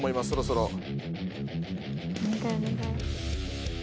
そろそろ。